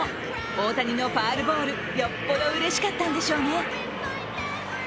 大谷のファウルボール、よっぽどうれしかったんでしょうね。